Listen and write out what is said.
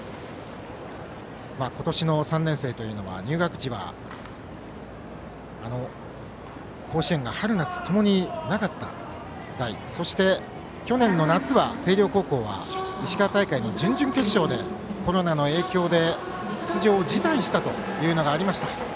今年の３年生は入学時は甲子園が春夏ともになかった代そして、去年の夏の星稜高校は石川大会の準々決勝でコロナの影響で出場を辞退したというのもありました。